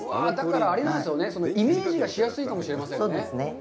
だから、あれなんですよね、イメージがしやすいかもしれませんね。